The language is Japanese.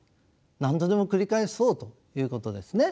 何度でも繰り返そうということですね。